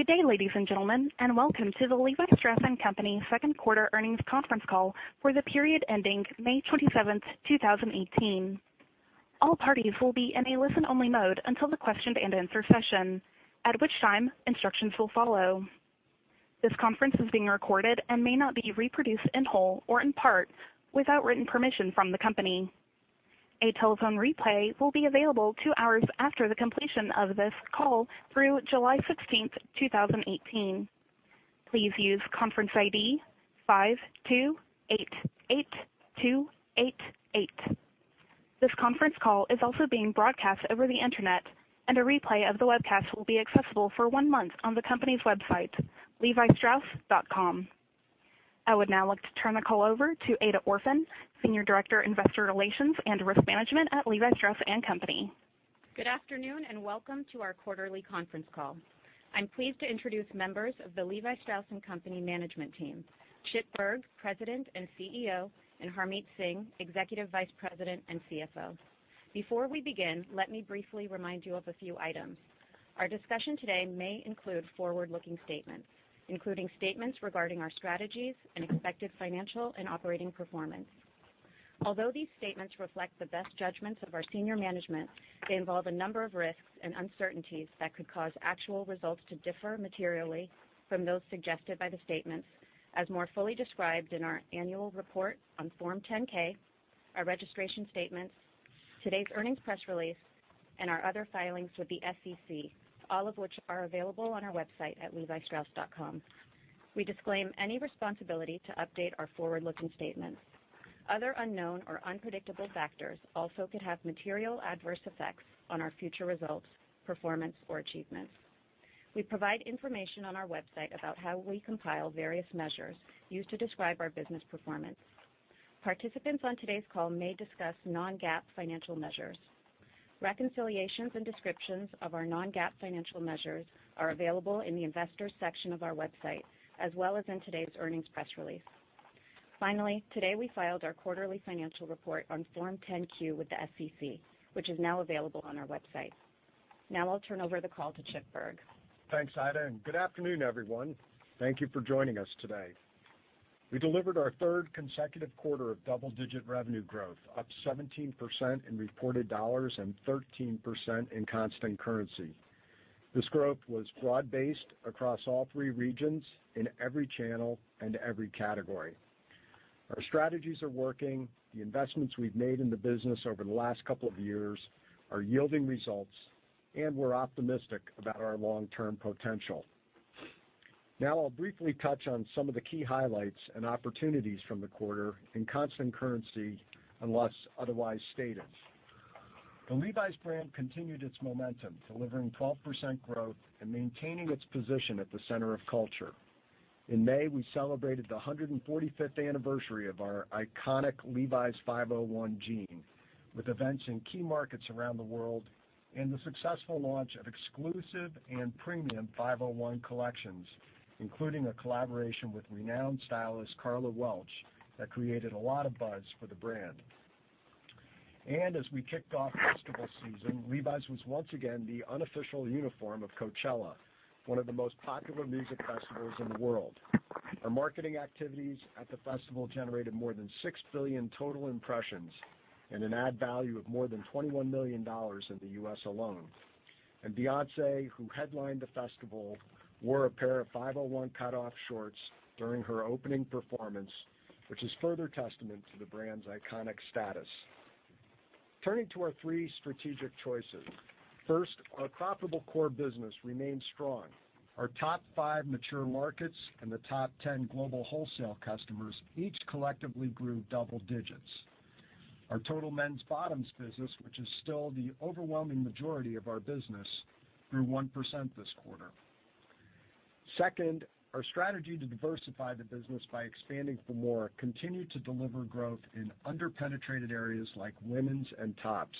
Good day, ladies and gentlemen. Welcome to the Levi Strauss & Co. second quarter earnings conference call for the period ending May 27, 2018. All parties will be in a listen-only mode until the question and answer session, at which time instructions will follow. This conference is being recorded and may not be reproduced in whole or in part without written permission from the company. A telephone replay will be available 2 hours after the completion of this call through July 16, 2018. Please use conference ID 5,288,288. This conference call is also being broadcast over the internet. A replay of the webcast will be accessible for one month on the company's website, levistrauss.com. I would now like to turn the call over to Aida Orphan, Senior Director, Investor Relations and Risk Management at Levi Strauss & Co. Good afternoon. Welcome to our quarterly conference call. I'm pleased to introduce members of the Levi Strauss & Co. management team, Chip Bergh, President and CEO, and Harmit Singh, Executive Vice President and CFO. Before we begin, let me briefly remind you of a few items. Our discussion today may include forward-looking statements, including statements regarding our strategies and expected financial and operating performance. Although these statements reflect the best judgments of our senior management, they involve a number of risks and uncertainties that could cause actual results to differ materially from those suggested by the statements, as more fully described in our annual report on Form 10-K, our registration statements, today's earnings press release, and our other filings with the SEC, all of which are available on our website at levistrauss.com. We disclaim any responsibility to update our forward-looking statements. Other unknown or unpredictable factors also could have material adverse effects on our future results, performance, or achievements. We provide information on our website about how we compile various measures used to describe our business performance. Participants on today's call may discuss non-GAAP financial measures. Reconciliations and descriptions of our non-GAAP financial measures are available in the investors section of our website, as well as in today's earnings press release. Today we filed our quarterly financial report on Form 10-Q with the SEC, which is now available on our website. I'll turn over the call to Chip Bergh. Thanks, Aida. Good afternoon, everyone. Thank you for joining us today. We delivered our third consecutive quarter of double-digit revenue growth, up 17% in reported USD and 13% in constant currency. This growth was broad-based across all three regions, in every channel, every category. Our strategies are working. The investments we've made in the business over the last couple of years are yielding results. We're optimistic about our long-term potential. I'll briefly touch on some of the key highlights and opportunities from the quarter in constant currency unless otherwise stated. The Levi's brand continued its momentum, delivering 12% growth and maintaining its position at the center of culture. In May, we celebrated the 145th anniversary of our iconic Levi's 501 jean with events in key markets around the world and the successful launch of exclusive and premium 501 collections, including a collaboration with renowned stylist Karla Welch that created a lot of buzz for the brand. As we kicked off festival season, Levi's was once again the unofficial uniform of Coachella, one of the most popular music festivals in the world. Our marketing activities at the festival generated more than 6 billion total impressions and an ad value of more than $21 million in the U.S. alone. Beyoncé, who headlined the festival, wore a pair of 501 cutoff shorts during her opening performance, which is further testament to the brand's iconic status. Turning to our three strategic choices. First, our profitable core business remains strong. Our top five mature markets and the top 10 global wholesale customers each collectively grew double digits. Our total men's bottoms business, which is still the overwhelming majority of our business, grew 1% this quarter. Second, our strategy to diversify the business by expanding for more continued to deliver growth in under-penetrated areas like women's and tops.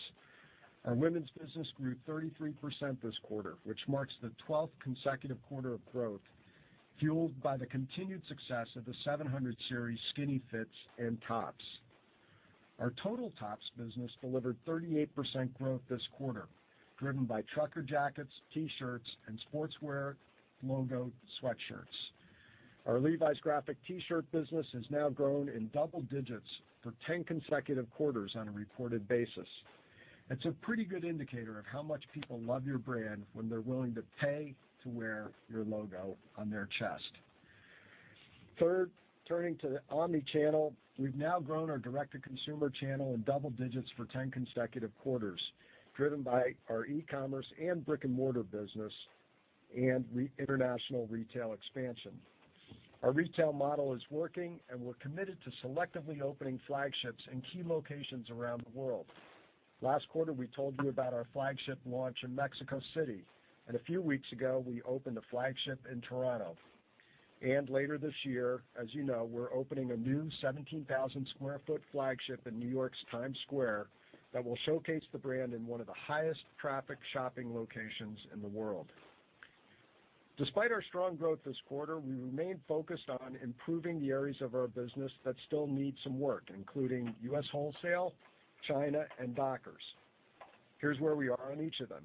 Our women's business grew 33% this quarter, which marks the 12th consecutive quarter of growth, fueled by the continued success of the 700 Series skinny fits and tops. Our total tops business delivered 38% growth this quarter, driven by trucker jackets, T-shirts, and sportswear logo sweatshirts. Our Levi's graphic T-shirt business has now grown in double digits for 10 consecutive quarters on a reported basis. It's a pretty good indicator of how much people love your brand when they're willing to pay to wear your logo on their chest. Third, turning to omni-channel. We've now grown our direct-to-consumer channel in double digits for 10 consecutive quarters, driven by our e-commerce and brick-and-mortar business and international retail expansion. Our retail model is working, we're committed to selectively opening flagships in key locations around the world. Last quarter, we told you about our flagship launch in Mexico City, a few weeks ago, we opened a flagship in Toronto. Later this year, as you know, we're opening a new 17,000 sq ft flagship in New York's Times Square that will showcase the brand in one of the highest traffic shopping locations in the world. Despite our strong growth this quarter, we remain focused on improving the areas of our business that still need some work, including U.S. wholesale, China, and Dockers. Here's where we are on each of them.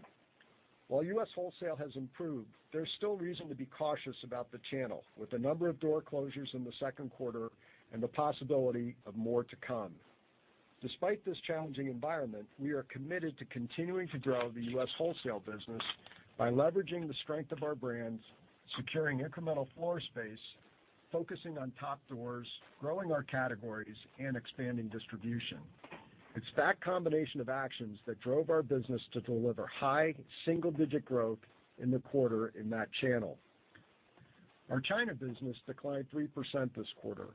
While U.S. wholesale has improved, there's still reason to be cautious about the channel with a number of door closures in the second quarter and the possibility of more to come. Despite this challenging environment, we are committed to continuing to grow the U.S. wholesale business by leveraging the strength of our brands, securing incremental floor space, focusing on top doors, growing our categories, and expanding distribution. It's that combination of actions that drove our business to deliver high single-digit growth in the quarter in that channel. Our China business declined 3% this quarter.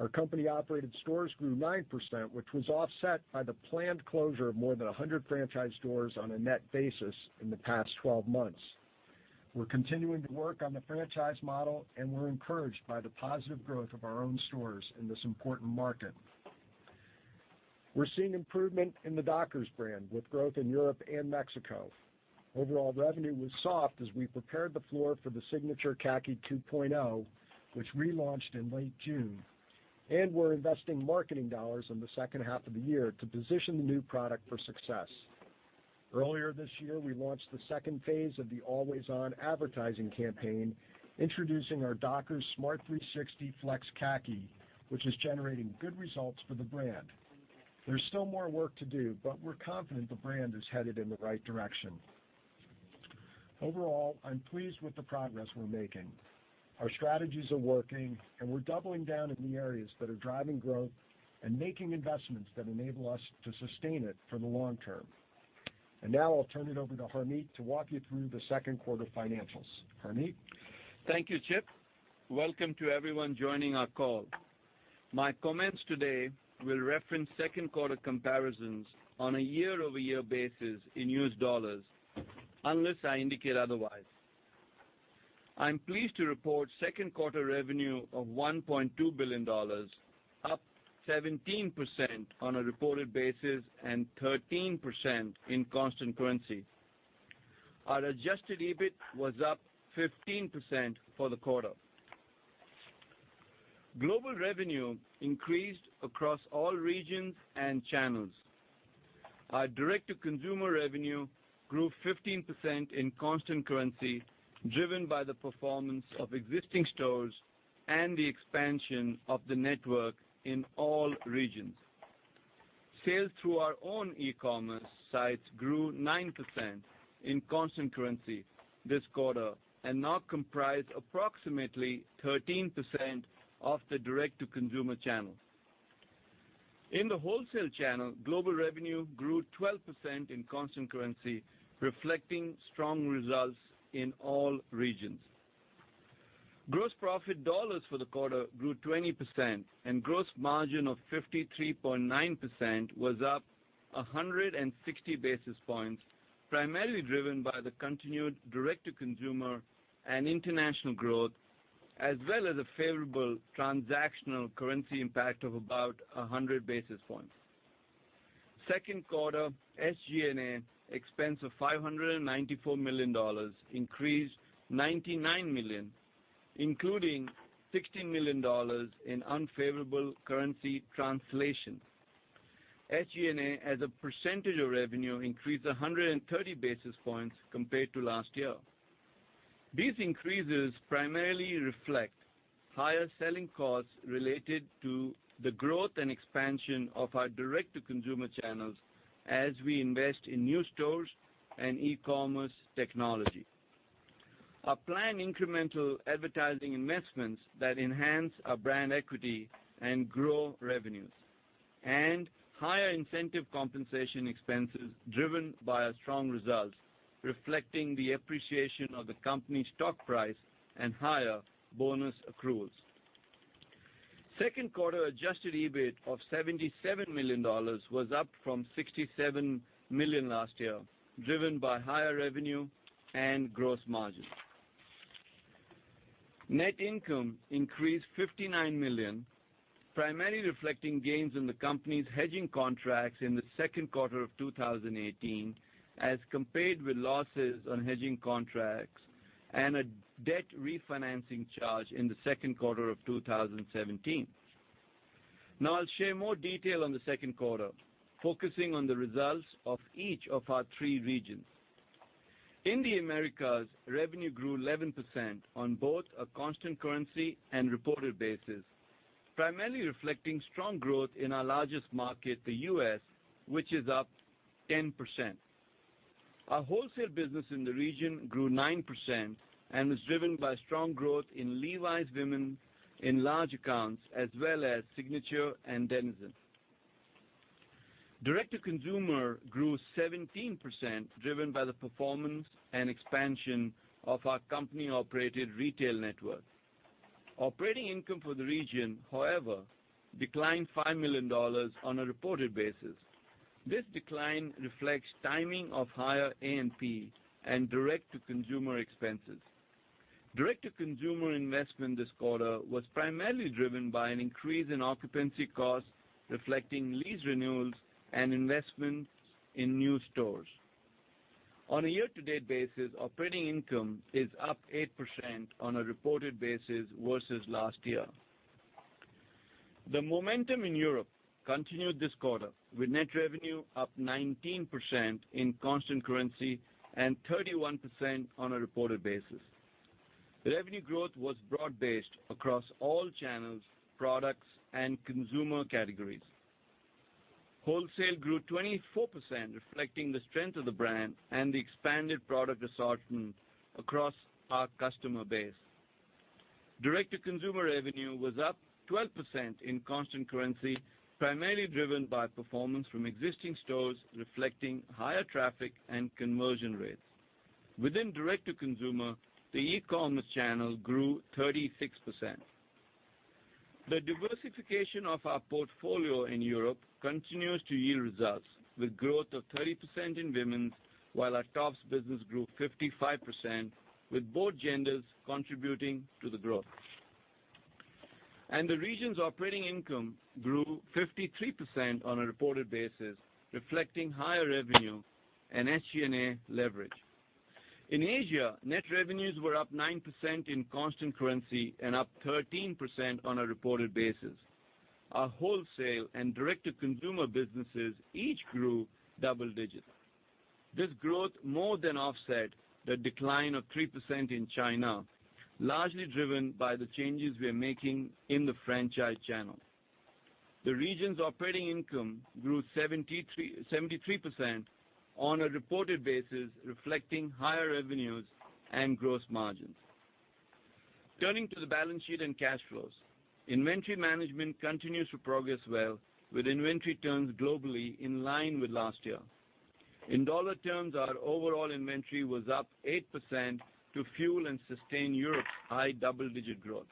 Our company-operated stores grew 9%, which was offset by the planned closure of more than 100 franchise doors on a net basis in the past 12 months. We're continuing to work on the franchise model, we're encouraged by the positive growth of our own stores in this important market. We're seeing improvement in the Dockers brand with growth in Europe and Mexico. Overall revenue was soft as we prepared the floor for the Signature Khaki 2.0, which relaunched in late June, and we're investing marketing dollars in the second half of the year to position the new product for success. Earlier this year, we launched the phase 2 of the Always On advertising campaign, introducing our Dockers Smart 360 Flex Khaki, which is generating good results for the brand. There's still more work to do, but we're confident the brand is headed in the right direction. Overall, I'm pleased with the progress we're making. Our strategies are working, and we're doubling down in the areas that are driving growth and making investments that enable us to sustain it for the long term. Now I'll turn it over to Harmit to walk you through the second quarter financials. Harmit? Thank you, Chip. Welcome to everyone joining our call. My comments today will reference second quarter comparisons on a year-over-year basis in US dollars, unless I indicate otherwise. I'm pleased to report second quarter revenue of $1.2 billion, up 17% on a reported basis and 13% in constant currency. Our adjusted EBIT was up 15% for the quarter. Global revenue increased across all regions and channels. Our direct-to-consumer revenue grew 15% in constant currency, driven by the performance of existing stores and the expansion of the network in all regions. Sales through our own e-commerce sites grew 9% in constant currency this quarter and now comprise approximately 13% of the direct-to-consumer channel. In the wholesale channel, global revenue grew 12% in constant currency, reflecting strong results in all regions. Gross profit dollars for the quarter grew 20%, and gross margin of 53.9% was up 160 basis points, primarily driven by the continued direct-to-consumer and international growth, as well as a favorable transactional currency impact of about 100 basis points. Second quarter SG&A expense of $594 million increased $99 million, including $16 million in unfavorable currency translation. SG&A as a percentage of revenue increased 130 basis points compared to last year. These increases primarily reflect higher selling costs related to the growth and expansion of our direct-to-consumer channels as we invest in new stores and e-commerce technology. Our planned incremental advertising investments that enhance our brand equity and grow revenues, higher incentive compensation expenses driven by our strong results reflecting the appreciation of the company stock price and higher bonus accruals. Second quarter adjusted EBIT of $77 million was up from $67 million last year, driven by higher revenue and gross margin. Net income increased $59 million, primarily reflecting gains in the company's hedging contracts in the second quarter of 2018 as compared with losses on hedging contracts and a debt refinancing charge in the second quarter of 2017. Now I'll share more detail on the second quarter, focusing on the results of each of our three regions. In the Americas, revenue grew 11% on both a constant currency and reported basis, primarily reflecting strong growth in our largest market, the U.S., which is up 10%. Our wholesale business in the region grew 9% and was driven by strong growth in Levi's women in large accounts, as well as Signature and Denizen. Direct-to-consumer grew 17%, driven by the performance and expansion of our company-operated retail network. Operating income for the region, however, declined $5 million on a reported basis. This decline reflects timing of higher A&P and direct-to-consumer expenses. Direct-to-consumer investment this quarter was primarily driven by an increase in occupancy costs reflecting lease renewals and investments in new stores. On a year-to-date basis, operating income is up 8% on a reported basis versus last year. The momentum in Europe continued this quarter with net revenue up 19% in constant currency and 31% on a reported basis. Revenue growth was broad-based across all channels, products, and consumer categories. Wholesale grew 24%, reflecting the strength of the brand and the expanded product assortment across our customer base. Direct-to-consumer revenue was up 12% in constant currency, primarily driven by performance from existing stores reflecting higher traffic and conversion rates. Within direct-to-consumer, the e-commerce channel grew 36%. The diversification of our portfolio in Europe continues to yield results, with growth of 30% in women's, while our tops business grew 55% with both genders contributing to the growth. The region's operating income grew 53% on a reported basis, reflecting higher revenue and SG&A leverage. In Asia, net revenues were up 9% in constant currency and up 13% on a reported basis. Our wholesale and direct-to-consumer businesses each grew double digits. This growth more than offset the decline of 3% in China, largely driven by the changes we are making in the franchise channel. The region's operating income grew 73% on a reported basis, reflecting higher revenues and gross margins. Turning to the balance sheet and cash flows. Inventory management continues to progress well with inventory turns globally in line with last year. In dollar terms, our overall inventory was up 8% to fuel and sustain Europe's high double-digit growth.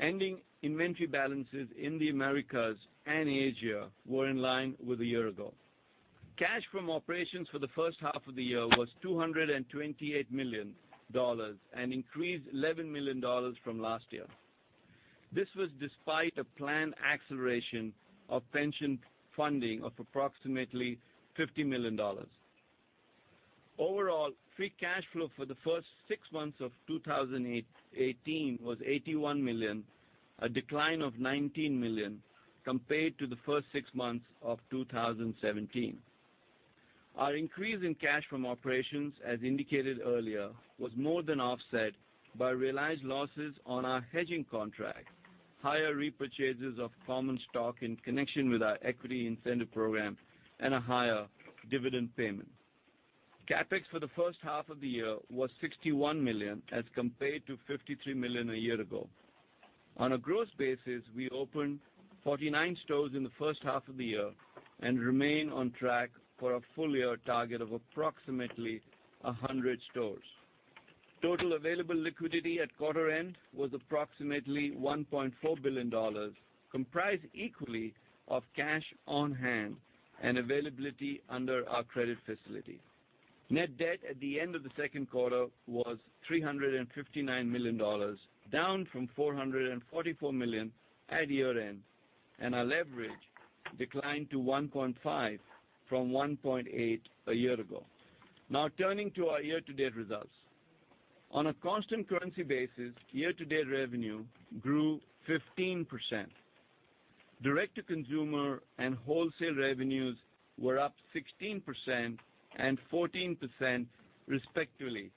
Ending inventory balances in the Americas and Asia were in line with a year ago. Cash from operations for the first half of the year was $228 million and increased $11 million from last year. This was despite a planned acceleration of pension funding of approximately $50 million. Overall, free cash flow for the first six months of 2018 was $81 million, a decline of $19 million compared to the first six months of 2017. Our increase in cash from operations, as indicated earlier, was more than offset by realized losses on our hedging contract, higher repurchases of common stock in connection with our equity incentive program, and a higher dividend payment. CapEx for the first half of the year was $61 million as compared to $53 million a year ago. On a gross basis, we opened 49 stores in the first half of the year and remain on track for a full-year target of approximately 100 stores. Total available liquidity at quarter end was approximately $1.4 billion, comprised equally of cash on hand and availability under our credit facility. Net debt at the end of the second quarter was $359 million, down from $444 million at year-end, and our leverage declined to 1.5 from 1.8 a year ago. Turning to our year-to-date results. On a constant currency basis, year-to-date revenue grew 15%. Direct-to-consumer and wholesale revenues were up 16% and 14% respectively.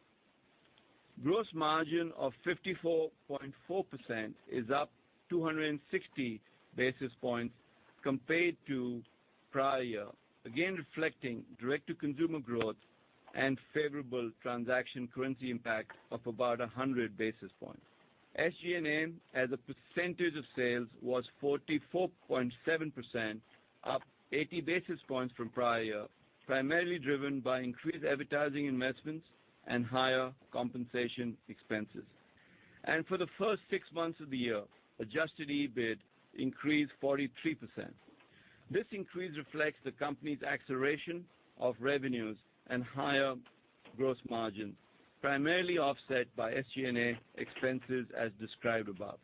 Gross margin of 54.4% is up 260 basis points compared to prior year, again reflecting direct-to-consumer growth and favorable transaction currency impact of about 100 basis points. SG&A as a percentage of sales was 44.7%, up 80 basis points from prior year, primarily driven by increased advertising investments and higher compensation expenses. For the first six months of the year, adjusted EBIT increased 43%. This increase reflects the company's acceleration of revenues and higher gross margin, primarily offset by SG&A expenses as described above.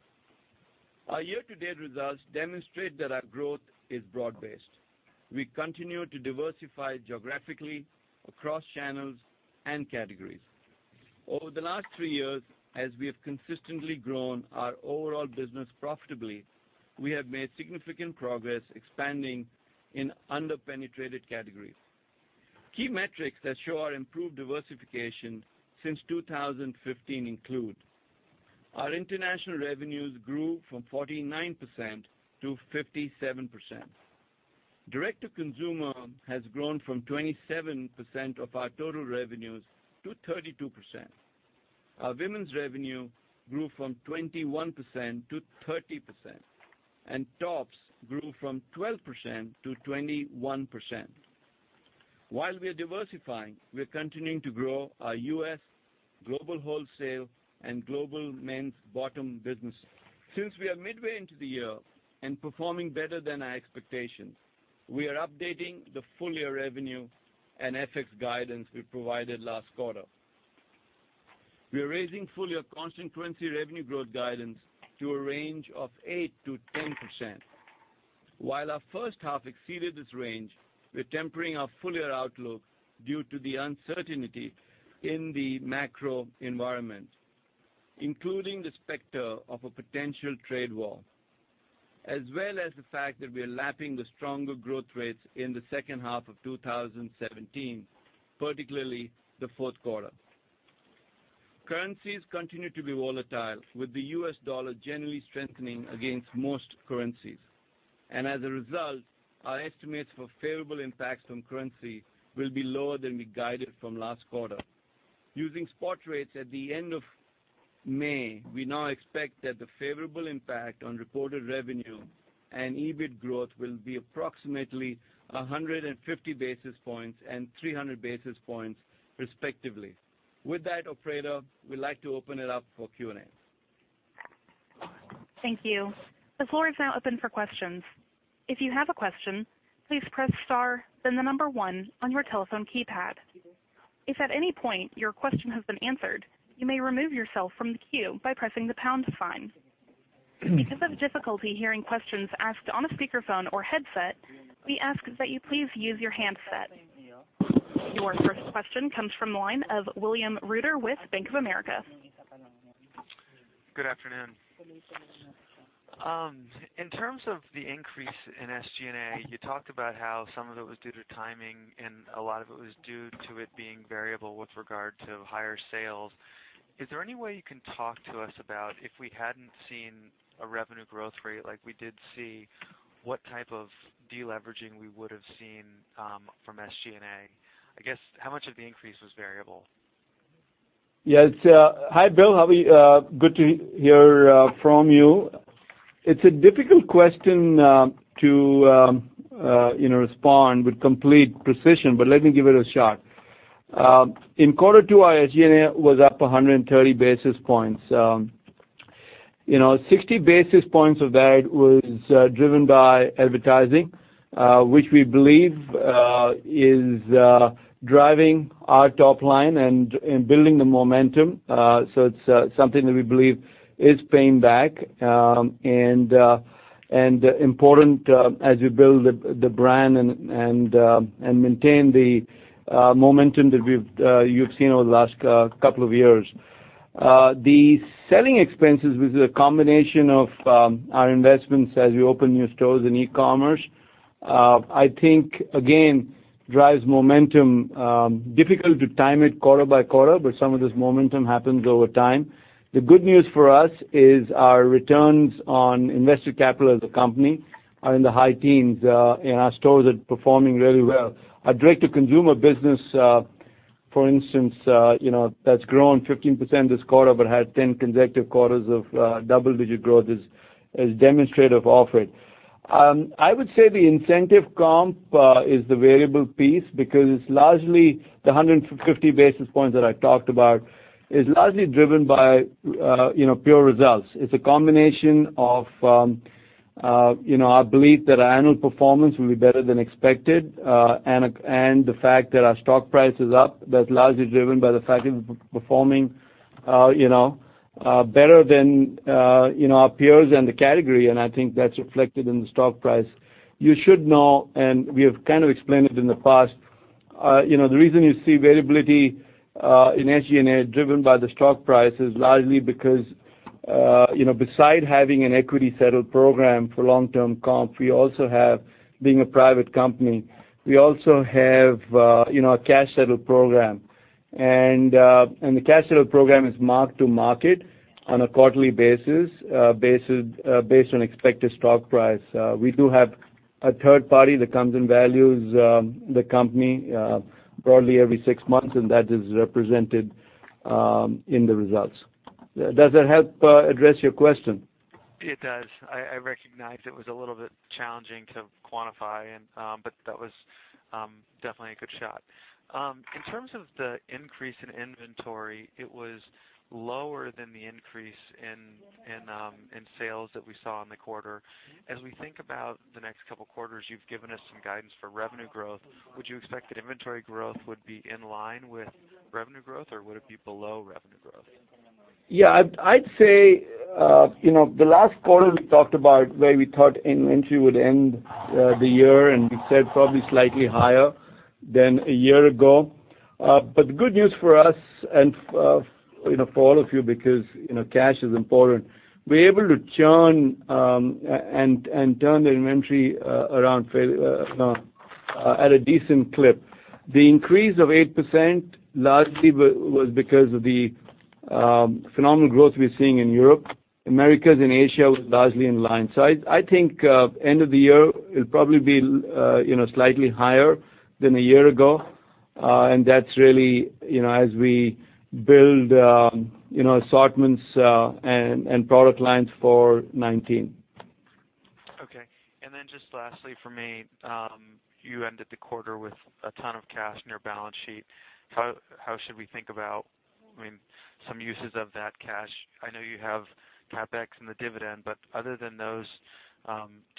Our year-to-date results demonstrate that our growth is broad-based. We continue to diversify geographically across channels and categories. Over the last three years, as we have consistently grown our overall business profitably, we have made significant progress expanding in under-penetrated categories. Key metrics that show our improved diversification since 2015 include our international revenues grew from 49% to 57%. Direct-to-consumer has grown from 27% of our total revenues to 32%. Our women's revenue grew from 21% to 30%, and tops grew from 12% to 21%. While we are diversifying, we are continuing to grow our U.S., global wholesale, and global men's bottom business. Since we are midway into the year and performing better than our expectations, we are updating the full-year revenue and FX guidance we provided last quarter. We are raising full-year constant currency revenue growth guidance to a range of 8%-10%. While our first half exceeded this range, we're tempering our full-year outlook due to the uncertainty in the macro environment, including the specter of a potential trade war, as well as the fact that we are lapping the stronger growth rates in the second half of 2017, particularly the fourth quarter. Currencies continue to be volatile, with the U.S. dollar generally strengthening against most currencies. As a result, our estimates for favorable impacts from currency will be lower than we guided from last quarter. Using spot rates at the end of May, we now expect that the favorable impact on reported revenue and EBIT growth will be approximately 150 basis points and 300 basis points respectively. With that, operator, we'd like to open it up for Q&A. Thank you. The floor is now open for questions. If you have a question, please press star, then the number one on your telephone keypad. If at any point your question has been answered, you may remove yourself from the queue by pressing the pound sign. Because of difficulty hearing questions asked on a speakerphone or headset, we ask that you please use your handset. Your first question comes from the line of William Reuter with Bank of America. Good afternoon. In terms of the increase in SG&A, you talked about how some of it was due to timing and a lot of it was due to it being variable with regard to higher sales. Is there any way you can talk to us about if we hadn't seen a revenue growth rate like we did see, what type of de-leveraging we would have seen from SG&A? I guess, how much of the increase was variable? Yes. Hi, Bill. How are you? Good to hear from you. It's a difficult question to respond with complete precision, but let me give it a shot. In quarter two, our SG&A was up 130 basis points. 60 basis points of that was driven by advertising, which we believe is driving our top line and building the momentum. It's something that we believe is paying back, and important as we build the brand and maintain the momentum that you've seen over the last couple of years. The selling expenses was a combination of our investments as we open new stores in e-commerce. I think, again, drives momentum. Difficult to time it quarter by quarter, but some of this momentum happens over time. The good news for us is our returns on invested capital as a company are in the high teens, and our stores are performing really well. Our direct-to-consumer business, for instance, that's grown 15% this quarter but had 10 consecutive quarters of double-digit growth is demonstrative of it. I would say the incentive comp is the variable piece because the 130 basis points that I talked about is largely driven by pure results. It's a combination of our belief that our annual performance will be better than expected, and the fact that our stock price is up, that's largely driven by the fact that we're performing better than our peers in the category, and I think that's reflected in the stock price. You should know, and we have kind of explained it in the past, the reason you see variability in SG&A driven by the stock price is largely because beside having an equity settled program for long-term comp, being a private company, we also have a cash settled program. The cash settled program is marked to market on a quarterly basis, based on expected stock price. We do have a third party that comes and values the company broadly every six months, and that is represented in the results. Does that help address your question? It does. I recognize it was a little bit challenging to quantify, but that was definitely a good shot. In terms of the increase in inventory, it was lower than the increase in sales that we saw in the quarter. As we think about the next couple of quarters, you've given us some guidance for revenue growth. Would you expect that inventory growth would be in line with revenue growth, or would it be below revenue growth? I'd say, the last quarter we talked about where we thought inventory would end the year, and we said probably slightly higher than a year ago. The good news for us and for all of you, because cash is important, we're able to churn and turn the inventory around at a decent clip. The increase of 8% largely was because of the phenomenal growth we're seeing in Europe. Americas and Asia was largely in line. I think end of the year, it'll probably be slightly higher than a year ago. That's really as we build assortments and product lines for 2019. Okay. Then just lastly from me, you ended the quarter with a ton of cash in your balance sheet. How should we think about some uses of that cash? I know you have CapEx and the dividend, but other than those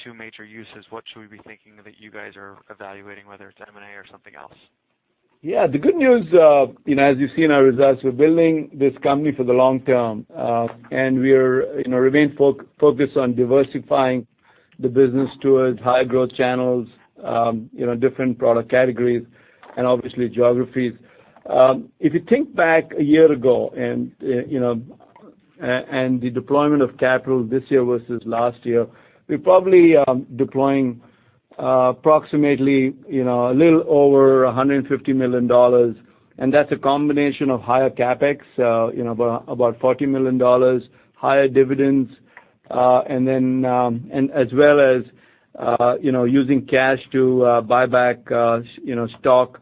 two major uses, what should we be thinking that you guys are evaluating, whether it's M&A or something else? The good news, as you've seen our results, we're building this company for the long term. We remain focused on diversifying the business towards high growth channels, different product categories, and obviously geographies. If you think back a year ago and the deployment of capital this year versus last year, we're probably deploying approximately, a little over $150 million. That's a combination of higher CapEx, about $40 million, higher dividends, and as well as using cash to buy back stock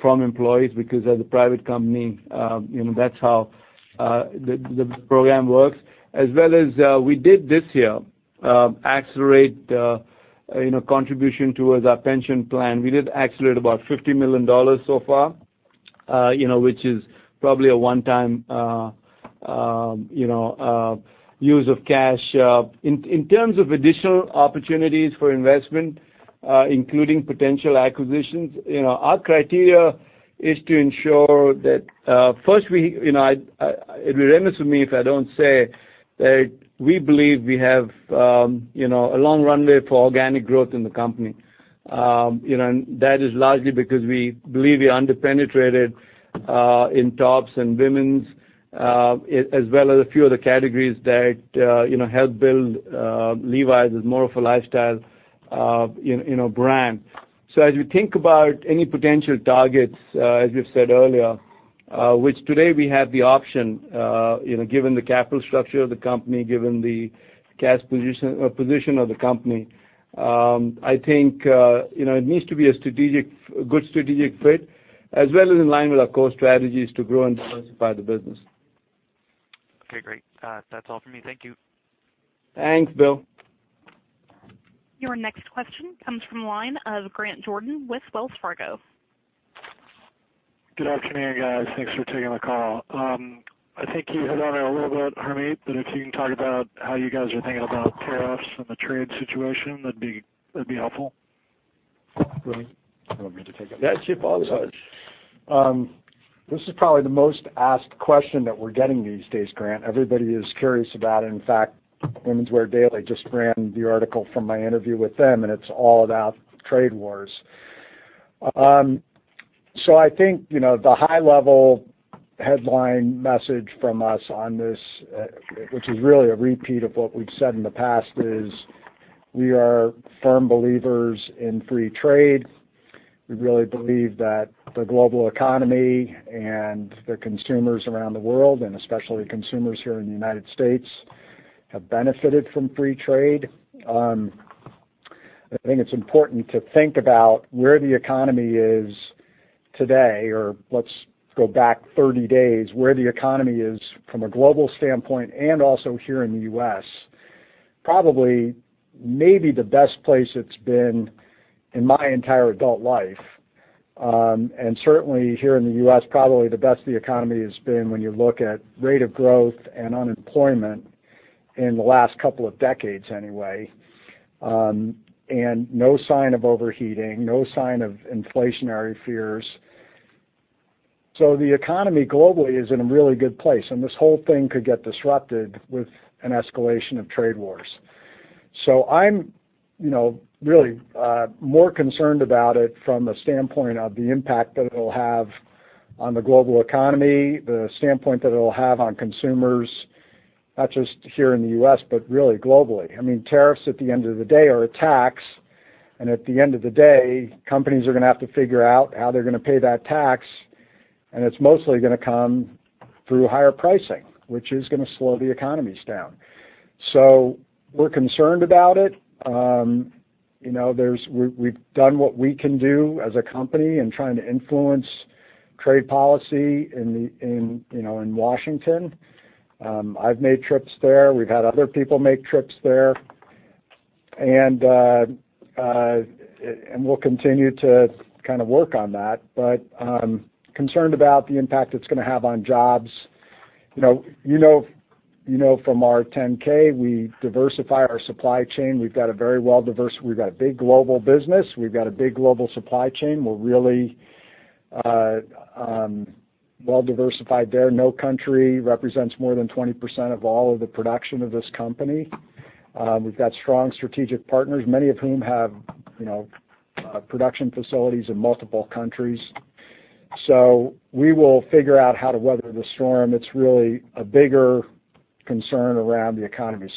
from employees because as a private company, that's how the program works. We did this year, accelerate contribution towards our pension plan. We did accelerate about $50 million so far, which is probably a one-time use of cash. In terms of additional opportunities for investment, including potential acquisitions, our criteria is to ensure that, it'll be remiss of me if I don't say that we believe we have a long runway for organic growth in the company. That is largely because we believe we're under-penetrated in tops and women's, as well as a few other categories that help build Levi's as more of a lifestyle brand. As we think about any potential targets, as we've said earlier, which today we have the option, given the capital structure of the company, given the cash position of the company. I think it needs to be a good strategic fit as well as in line with our core strategies to grow and diversify the business. Okay, great. That's all from me. Thank you. Thanks, Bill. Your next question comes from the line of Ike Boruchow with Wells Fargo. Good afternoon, guys. Thanks for taking the call. I think you hit on it a little bit, Harmit, but if you can talk about how you guys are thinking about tariffs and the trade situation, that'd be helpful. Brian? You want me to take it? Yes, [Chip all good]. This is probably the most asked question that we're getting these days, Grant. Everybody is curious about it. In fact, Women's Wear Daily just ran the article from my interview with them, and it's all about trade wars. I think, the high-level headline message from us on this, which is really a repeat of what we've said in the past, is we are firm believers in free trade. We really believe that the global economy and the consumers around the world, and especially consumers here in the United States, have benefited from free trade. I think it's important to think about where the economy is today, or let's go back 30 days, where the economy is from a global standpoint and also here in the U.S. Probably may be the best place it's been in my entire adult life. Certainly here in the U.S., probably the best the economy has been when you look at rate of growth and unemployment in the last couple of decades anyway. No sign of overheating, no sign of inflationary fears. The economy globally is in a really good place, and this whole thing could get disrupted with an escalation of trade wars. I'm really more concerned about it from a standpoint of the impact that it'll have on the global economy, the standpoint that it'll have on consumers, not just here in the U.S., but really globally. I mean, tariffs at the end of the day are a tax. At the end of the day, companies are gonna have to figure out how they're gonna pay that tax, and it's mostly gonna come through higher pricing, which is gonna slow the economies down. We're concerned about it. We've done what we can do as a company in trying to influence trade policy in Washington. I've made trips there. We've had other people make trips there. We'll continue to work on that. Concerned about the impact it's gonna have on jobs. You know from our 10-K, we diversify our supply chain. We've got a big global business. We've got a big global supply chain. We're really well-diversified there. No country represents more than 20% of all of the production of this company. We've got strong strategic partners, many of whom have production facilities in multiple countries. We will figure out how to weather the storm. It's really a bigger concern around the economy.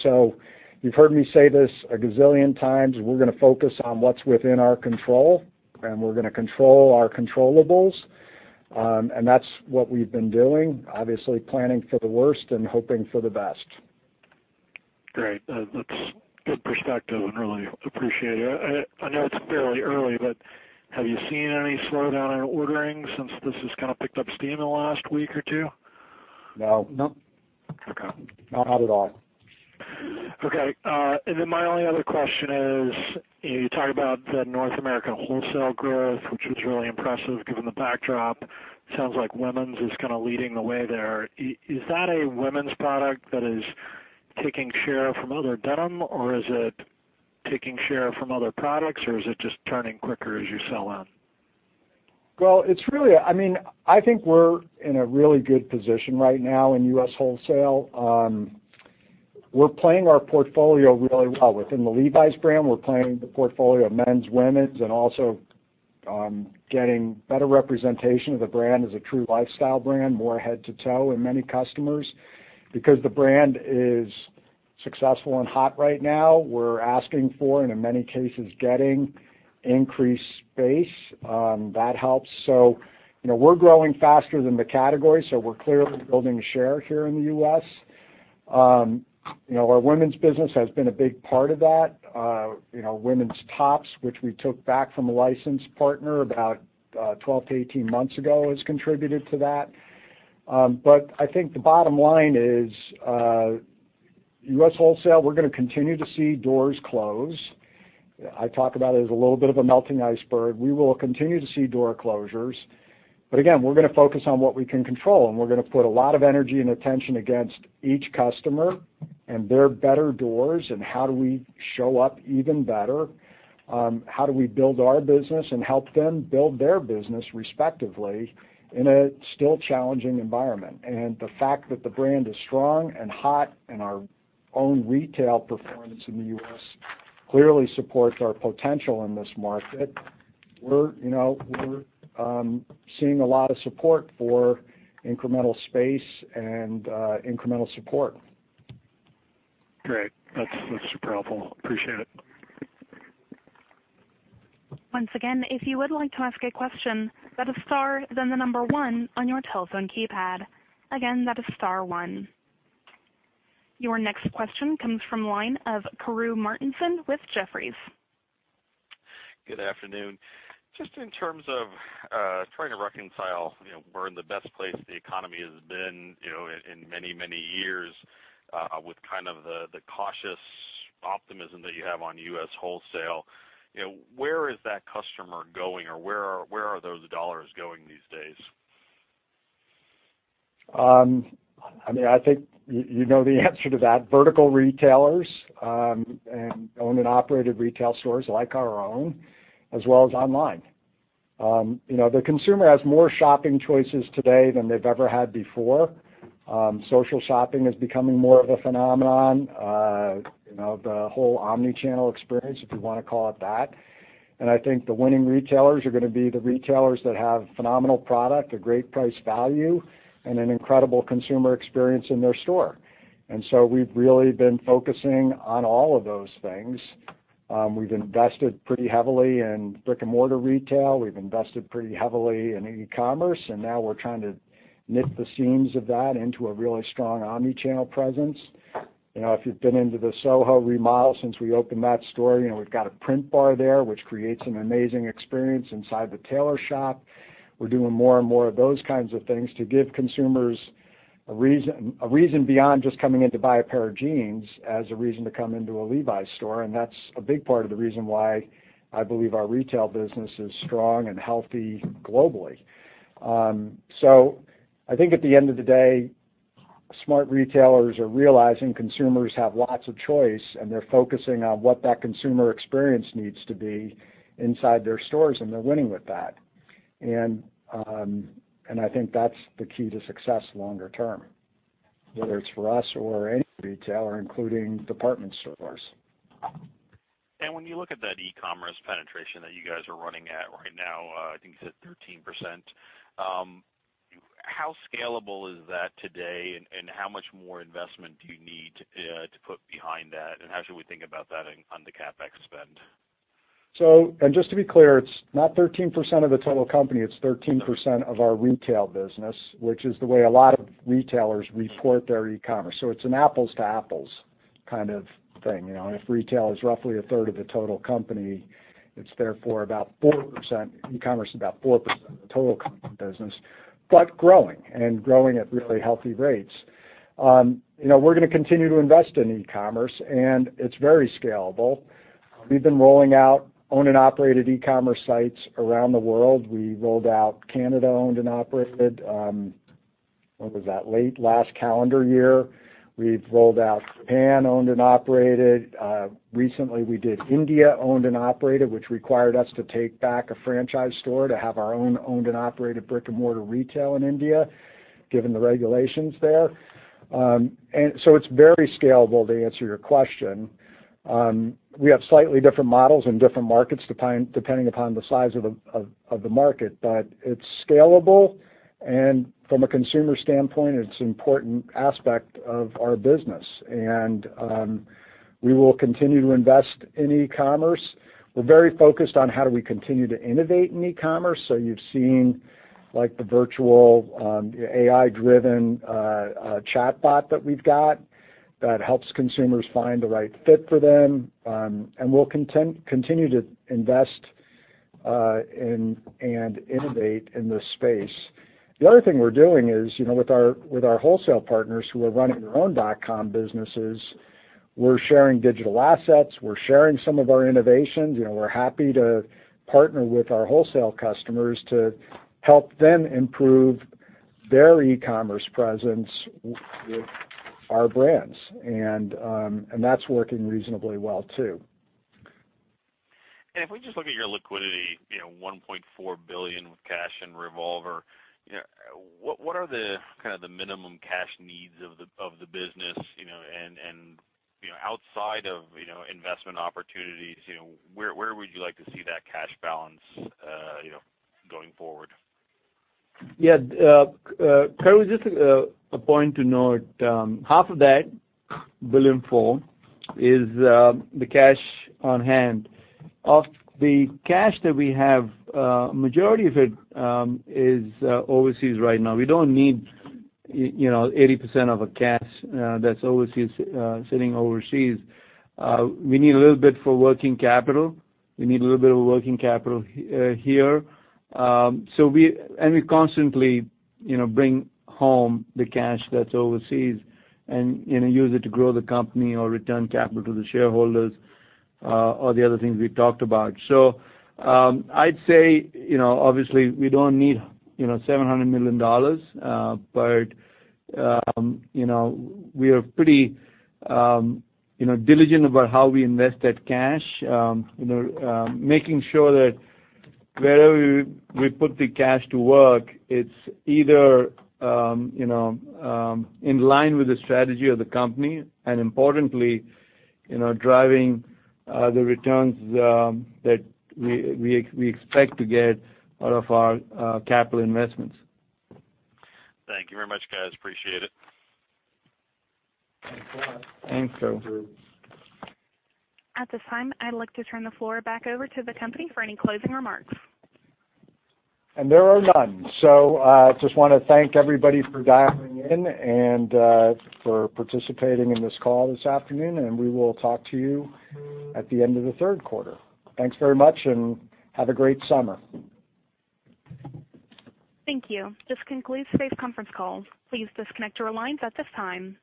You've heard me say this a gazillion times. We're gonna focus on what's within our control, and we're gonna control our controllables. That's what we've been doing, obviously planning for the worst and hoping for the best. Great. That's good perspective and really appreciate it. I know it's fairly early, but have you seen any slowdown in ordering since this has picked up steam in the last week or two? No. No. Okay. Not at all. Okay. My only other question is, you talk about the North American wholesale growth, which was really impressive given the backdrop. Sounds like women's is kind of leading the way there. Is that a women's product that is taking share from other denim, or is it taking share from other products, or is it just turning quicker as you sell out? Well, I think we're in a really good position right now in U.S. wholesale. We're playing our portfolio really well. Within the Levi's brand, we're playing the portfolio of men's, women's, and also getting better representation of the brand as a true lifestyle brand, more head to toe in many customers. Because the brand is successful and hot right now, we're asking for, and in many cases getting, increased space. That helps. We're growing faster than the category, so we're clearly building a share here in the U.S. Our women's business has been a big part of that. Women's tops, which we took back from a license partner about 12 to 18 months ago, has contributed to that. I think the bottom line is U.S. wholesale, we're going to continue to see doors close. I talk about it as a little bit of a melting iceberg. We will continue to see door closures, again, we're going to focus on what we can control, and we're going to put a lot of energy and attention against each customer and their better doors and how do we show up even better. How do we build our business and help them build their business respectively in a still challenging environment? The fact that the brand is strong and hot, and our own retail performance in the U.S. clearly supports our potential in this market. We're seeing a lot of support for incremental space and incremental support. Great. That's super helpful. Appreciate it. Once again, if you would like to ask a question, that is star then the number one on your telephone keypad. Again, that is star one. Your next question comes from the line of Randal Konik with Jefferies. Good afternoon. Just in terms of trying to reconcile, we're in the best place the economy has been in many, many years, with kind of the cautious optimism that you have on U.S. wholesale. Where is that customer going, or where are those dollars going these days? I think you know the answer to that. Vertical retailers, and owned and operated retail stores like our own, as well as online. The consumer has more shopping choices today than they've ever had before. Social shopping is becoming more of a phenomenon. The whole omni-channel experience, if you want to call it that. I think the winning retailers are going to be the retailers that have phenomenal product, a great price value, and an incredible consumer experience in their store. So we've really been focusing on all of those things. We've invested pretty heavily in brick and mortar retail. We've invested pretty heavily in e-commerce, and now we're trying to knit the seams of that into a really strong omni-channel presence. If you've been into the Soho remodel since we opened that store, we've got a print bar there, which creates an amazing experience inside the tailor shop. We're doing more and more of those kinds of things to give consumers a reason beyond just coming in to buy a pair of jeans as a reason to come into a Levi's store. That's a big part of the reason why I believe our retail business is strong and healthy globally. I think at the end of the day, smart retailers are realizing consumers have lots of choice, and they're focusing on what that consumer experience needs to be inside their stores, and they're winning with that. I think that's the key to success longer term, whether it's for us or any retailer, including department stores. When you look at that e-commerce penetration that you guys are running at right now, I think you said 13%. How scalable is that today, and how much more investment do you need to put behind that, and how should we think about that on the CapEx spend? Just to be clear, it's not 13% of the total company. It's 13% of our retail business, which is the way a lot of retailers report their e-commerce. It's an apples to apples kind of thing. If retail is roughly a third of the total company, it's therefore about 4%, e-commerce is about 4% of the total company business, but growing, and growing at really healthy rates. We're going to continue to invest in e-commerce, and it's very scalable. We've been rolling out owned and operated e-commerce sites around the world. We rolled out Canada owned and operated. When was that? Late last calendar year. We've rolled out Japan owned and operated. Recently we did India owned and operated, which required us to take back a franchise store to have our own owned and operated brick and mortar retail in India, given the regulations there. It's very scalable, to answer your question. We have slightly different models in different markets, depending upon the size of the market. It's scalable, and from a consumer standpoint, it's an important aspect of our business. We will continue to invest in e-commerce. We're very focused on how do we continue to innovate in e-commerce. You've seen the virtual AI-driven chatbot that we've got that helps consumers find the right fit for them. We'll continue to invest and innovate in this space. The other thing we're doing is with our wholesale partners who are running their own dot com businesses, we're sharing digital assets. We're sharing some of our innovations. We're happy to partner with our wholesale customers to help them improve their e-commerce presence with our brands. That's working reasonably well too. If we just look at your liquidity, $1.4 billion with cash and revolver, what are the minimum cash needs of the business, and outside of investment opportunities, where would you like to see that cash balance going forward? Yeah. Kirby, just a point to note. Half of that $1.4 billion is the cash on hand. Of the cash that we have, majority of it is overseas right now. We don't need 80% of a cash that's sitting overseas. We need a little bit for working capital. We need a little bit of a working capital here. We constantly bring home the cash that's overseas and use it to grow the company or return capital to the shareholders, or the other things we've talked about. I'd say, obviously, we don't need $700 million, but we are pretty diligent about how we invest that cash, making sure that wherever we put the cash to work, it's either in line with the strategy of the company, and importantly, driving the returns that we expect to get out of our capital investments. Thank you very much, guys. Appreciate it. Thanks a lot. Thanks, Kirby. At this time, I'd like to turn the floor back over to the company for any closing remarks. There are none. Just want to thank everybody for dialing in and for participating in this call this afternoon, We will talk to you at the end of the third quarter. Thanks very much, and have a great summer. Thank you. This concludes today's conference call. Please disconnect your lines at this time.